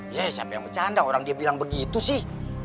ya siapa yang bercanda orang dia bilang begitu sih